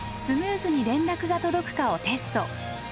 スムーズに連絡が届くかをテスト。